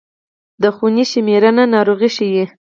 د خونې شمېرنه ناروغي ښيي.